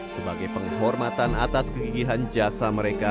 sebagai penghormatan atas kegigihan jasa mereka